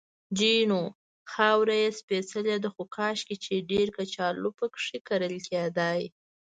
جینو: خاوره یې سپېڅلې ده، خو کاشکې چې ډېرې کچالو پکې کرل کېدای.